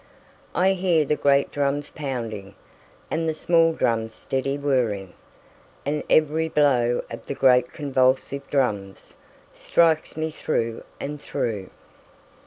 4I hear the great drums pounding, And the small drums steady whirring; And every blow of the great convulsive drums, Strikes me through and through.